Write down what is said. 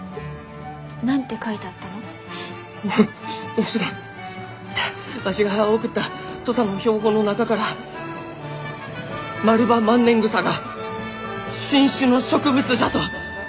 わわしがわしが送った土佐の標本の中からマルバマンネングサが新種の植物じゃと認められたがじゃき！